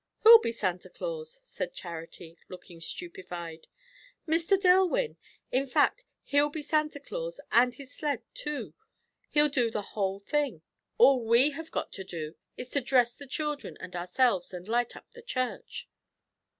"Who'll be Santa Claus?" said Charity, looking stupefied. "Mr. Dillwyn. In fact, he'll be Santa Claus and his sled too; he'll do the whole thing. All we have got to do is to dress the children and ourselves, and light up the church."